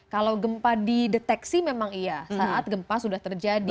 kalau gempa dideteksi memang iya saat gempa sudah terjadi